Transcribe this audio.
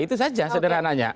itu saja sederhananya